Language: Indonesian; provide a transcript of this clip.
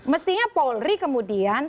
mestinya polri kemudian